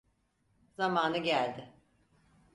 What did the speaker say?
Zamanı geldi.